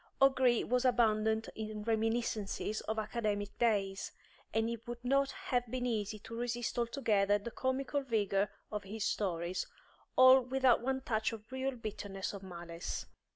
O'Gree was abundant in reminiscences of academic days, and it would not have been easy to resist altogether the comical vigour of his stories, all without one touch of real bitterness or malice.